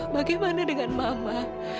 bagaimana dengan mama